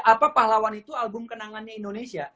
apa pahlawan itu album kenangannya indonesia